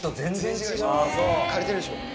刈れてるでしょ。